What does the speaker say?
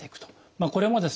これもですね